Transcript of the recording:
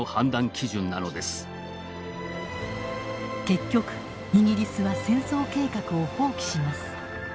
結局イギリスは戦争計画を放棄します。